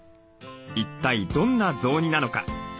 一体どんな雑煮なのか。